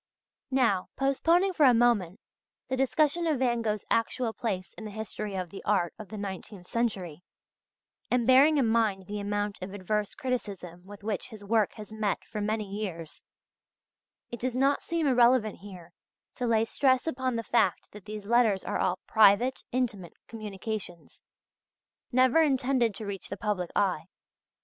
Now, postponing for a moment, the discussion of Van Gogh's actual place in the history of the art of the nineteenth century, and bearing in mind the amount of adverse criticism with which his work has met for many years, it does not seem irrelevant here to lay stress upon the fact that these letters are all private, intimate communications, never intended to reach the public eye.